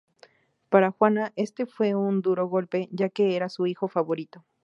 Para Juana este fue un duro golpe, ya que era su hijo favorito.